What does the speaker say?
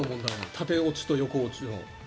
縦落ちと横落ちの。